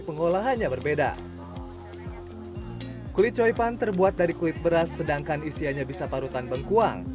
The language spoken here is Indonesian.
pengolahannya berbeda kulit coipan terbuat dari kulit beras sedangkan isiannya bisa parutan bengkuang